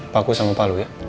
pak fujian dan pak lu ya